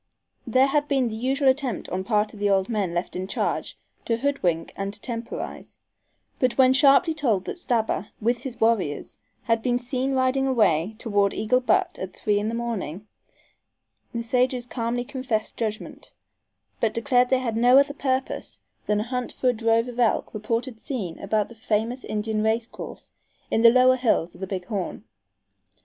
There had been the usual attempt on part of the old men left in charge to hoodwink and to temporize, but when sharply told that Stabber, with his warriors, had been seen riding away toward Eagle Butte at three in the morning, the sages calmly confessed judgment, but declared they had no other purpose than a hunt for a drove of elk reported seen about the famous Indian race course in the lower hills of the Big Horn.